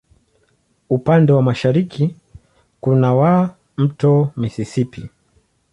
Upande wa mashariki kuna wa Mto Mississippi.